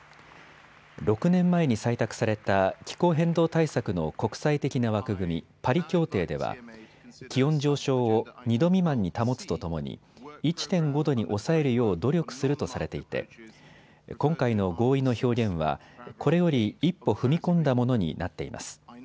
６年前に採択された気候変動対策の国際的な枠組み、パリ協定では気温上昇を２度未満に保つとともに１．５度に抑えるよう努力するとされていて今回の合意の表現はこれより一歩踏み込んだものになっています。